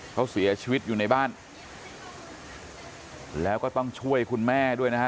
เขาเสียชีวิตอยู่ในบ้านแล้วก็ต้องช่วยคุณแม่ด้วยนะฮะ